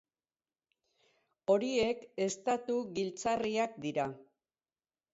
Horiek estatu giltzarriak dira.